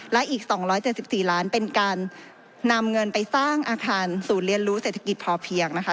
และอีก๒๗๔ล้านเป็นการนำเงินไปสร้างอาคารศูนย์เรียนรู้เศรษฐกิจพอเพียงนะคะ